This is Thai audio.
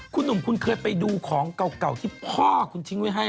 คุณหนุ่มคุณเคยไปดูของเก่าที่พ่อคุณทิ้งไว้ให้